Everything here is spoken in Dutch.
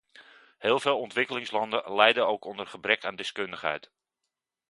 Heel veel ontwikkelingslanden lijden ook onder gebrek aan deskundigheid.